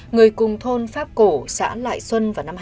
người cùng thôn pháp cổ xã lại xuân vào năm hai nghìn sáu